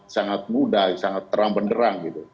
sangat mudah sangat terang penderang